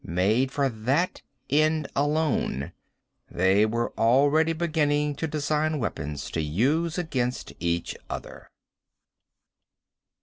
Made for that end alone. They were already beginning to design weapons to use against each other.